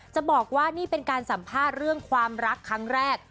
จะบอกว่านี่เป็นการสัมภาษณ์เรื่องความรักครั้งแรก